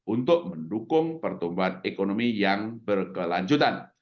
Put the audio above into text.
untuk mendukung pertumbuhan ekonomi yang berkelanjutan